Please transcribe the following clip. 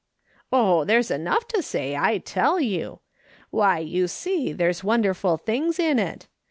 " Oh, there's enough to say, I tell you ! Why, you see, there's wonderful things in it.